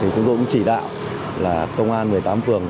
cũng chỉ đạo là công an một mươi tám phường